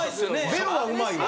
べろはうまいわ。